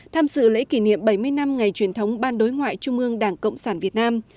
tham dự lễ kỷ niệm bảy mươi năm ngày truyền thống ban đối ngoại trung ương đảng cộng sản việt nam